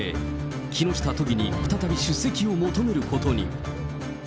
木下都議に再び出席を求めることに。